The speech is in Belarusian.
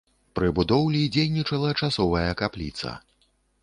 Пры будоўлі дзейнічала часовая капліца.